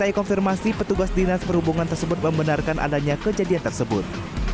usai konfirmasi petugas dinas perhubungan tersebut membenarkan adanya kejadian tersebut